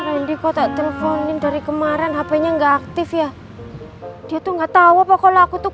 ini kok tak teleponin dari kemarin hpnya nggak aktif ya dia tuh nggak tahu pokoknya aku tuh